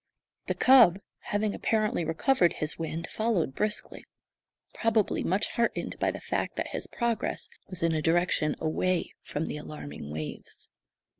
The cub, having apparently recovered his wind, followed briskly probably much heartened by the fact that his progress was in a direction away from the alarming waves.